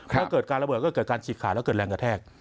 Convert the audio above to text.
ถ้าเกิดการระเบิดก็เกิดการฉีกขาดแล้วเกิดแรงกระแทก